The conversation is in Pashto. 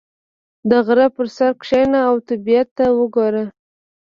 • د غره پر سر کښېنه او طبیعت ته وګوره.